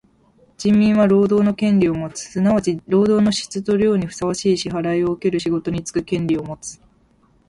人民は労働の権利をもつ。すなわち労働の質と量にふさわしい支払をうける仕事につく権利をもつ。